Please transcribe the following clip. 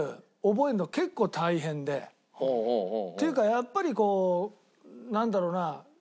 っていうかやっぱりこうなんだろうな。